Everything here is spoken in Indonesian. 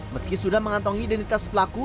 meski sudah mengantongi identitas pelaku